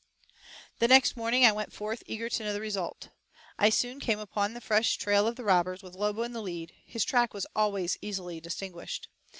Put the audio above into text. The next morning I went forth, eager to know the result. I soon came on the fresh trail of the robbers, with Lobo in the lead his track was always easily distinguished.